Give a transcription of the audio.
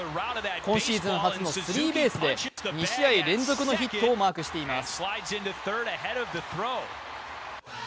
今シーズン初のスリーベースで２試合連続のヒットをマークしています。